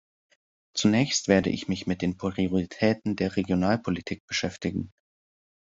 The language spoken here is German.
Zunächst werde ich mich mit den Prioritäten der Regionalpolitik beschäftigen.